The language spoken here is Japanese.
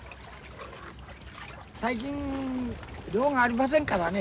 最近量がありませんからね。